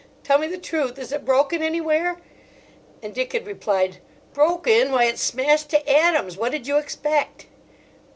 Tell me the truth. Is it broken anywhere?" and Dick had replied: "Broken! why, it's smashed to atoms. What did you expect?"